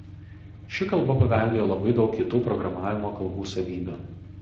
Ši kalba paveldėjo labai daug kitų programavimo kalbų savybių.